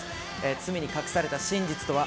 罪に隠された真実とは？